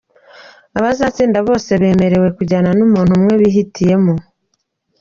Abazatsinda bose bemerewe kujyana n’umuntu umwe bihitiyemo.